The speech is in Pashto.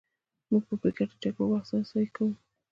موږ په بې ګټې جګړو وخت ضایع کوو.